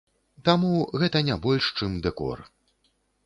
Таму, гэта не больш, чым дэкор.